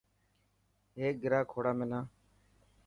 هيڪ گرا کوڙا منا.